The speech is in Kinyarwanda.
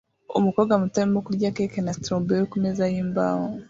Umukobwa muto arimo kurya cake na strawberry kumeza yimbaho